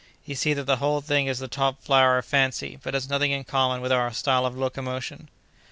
You see that the whole thing is the top flower of fancy, but has nothing in common with our style of locomotion."